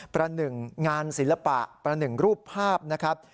ประหนึ่งงานศิลปะประหนึ่งรูปภาพนะครับ